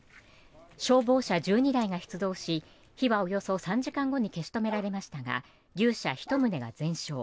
消防車１２台が出動し火はおよそ３時間後に消し止められましたが牛舎１棟が全焼。